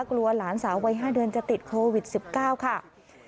กลัวหลานสาววัย๕เดือนจะติดโควิด๑๙ค่ะ